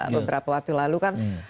beberapa waktu lalu kan